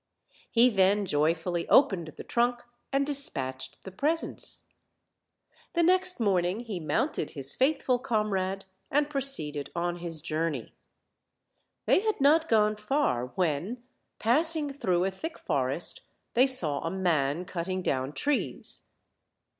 He then joyfully opened the trunk, and dispatched the presents. The next morning he mounted his faithful Comrade and proceeded on his journey. They had not gone far when, passing through a thick forest, they saw a mail cutting down trees.